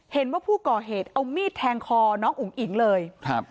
เห็นว่าผู้ก่อเหตุเอามีดแทงคอน้องอุ๋งอิ๋งเลยครับ